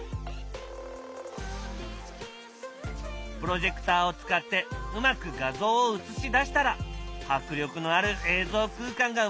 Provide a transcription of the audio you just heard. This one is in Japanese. プロジェクターを使ってうまく画像を映し出したら迫力のある映像空間が生まれるんだ。